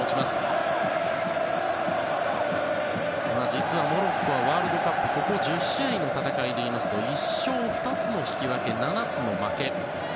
実は、モロッコはワールドカップここ１０試合の戦いで言いますと１勝２つの引き分け７つの負け。